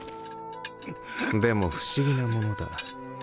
でも不思議なものだ。